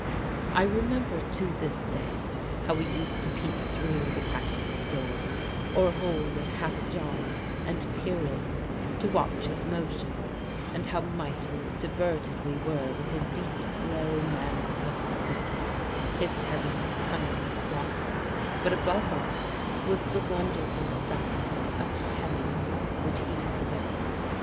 I remember to this day how we used to peep through the crack of the door, or hold it half ajar and peer in, to watch his motions; and how mightily diverted we were with his deep, slow manner of speaking, his heavy, cumbrous walk, but, above all, with the wonderful faculty of "hemming" which he possessed.